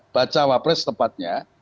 baca wapres tepatnya